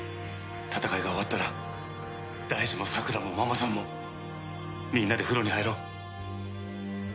戦いが終わったら大二もさくらもママさんもみんなで風呂に入ろう。